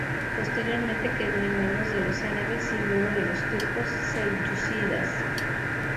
Posteriormente quedó en manos de los árabes y, luego, de los turcos selyúcidas.